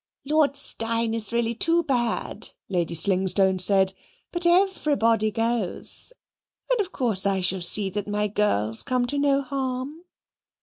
"Lord Steyne is really too bad," Lady Slingstone said, "but everybody goes, and of course I shall see that my girls come to no harm."